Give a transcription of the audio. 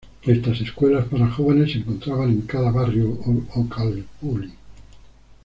Estas escuelas para jóvenes se encontraban en cada barrio o calpulli.